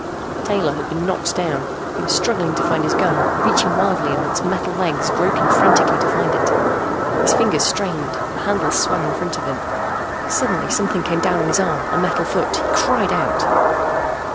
Taylor had been knocked down. He was struggling to find his gun, reaching wildly among metal legs, groping frantically to find it. His fingers strained, a handle swam in front of him. Suddenly something came down on his arm, a metal foot. He cried out.